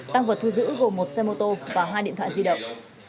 tăng vật thu giữ gồm một xe mô tô và hai điện thoại di động